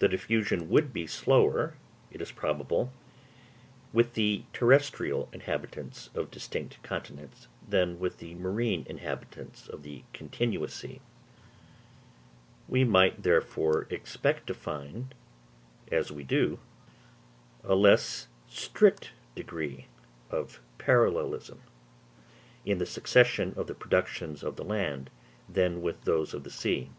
The diffusion would, it is probable, be slower with the terrestrial inhabitants of distinct continents than with the marine inhabitants of the continuous sea. We might therefore expect to find, as we do find, a less strict degree of parallelism in the succession of the productions of the land than with those of the sea.